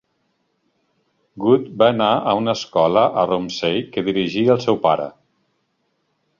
Good va anar a una escola a Romsey que dirigia el seu pare.